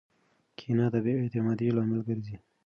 کینه د بې اعتمادۍ لامل ګرځي.